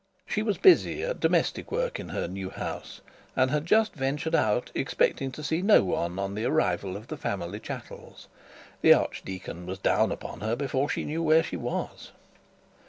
She was busy at domestic work in her new house, and had just ventured out, expecting to see no one on the arrival of the family chattels. The archdeacon was down upon her before she knew where she was.